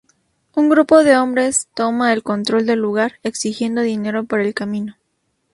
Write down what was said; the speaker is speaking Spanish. Un grupo de hombres toma el control del lugar, exigiendo dinero para el camino.